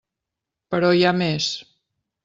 Però hi ha més.